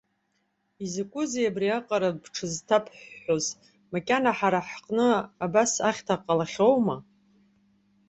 Изакәызеи абри аҟара бҽызҭабҳәҳәаз, макьана ҳара ҳҟны абас ахьҭа ҟалахьоума?